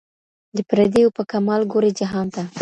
د پردیو په کمال ګوري جهان ته ..